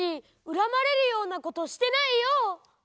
恨まれるようなことしてないよ！